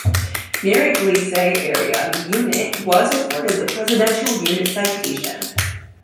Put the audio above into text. Mere-Eglise area, the unit was awarded the Presidential Unit Citation.